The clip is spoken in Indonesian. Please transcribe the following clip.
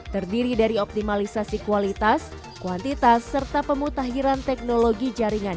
terdiri dari optimalisasi kualitas kuantitas serta pemutahiran teknologi jaringan